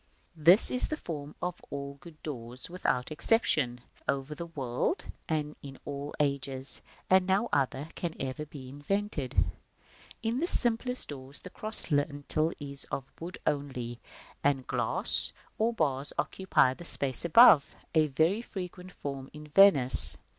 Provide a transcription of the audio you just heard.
This is the form of all good doors, without exception, over the whole world and in all ages, and no other can ever be invented. § III. In the simplest doors the cross lintel is of wood only, and glass or bars occupy the space above, a very frequent form in Venice.